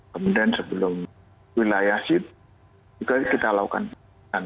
kemudian sebelum wilayah juga kita lakukan penyekatan